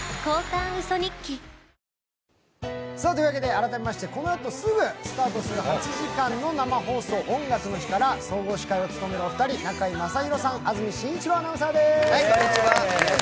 改めまして、このあとすぐスタートする８時間の生放送「音楽の日」から総合司会を務める２人、中居正広さん、安住紳一郎アナウンサーです。